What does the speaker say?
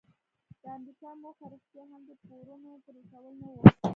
د امریکا موخه رښتیا هم د پورونو پریکول نه وو.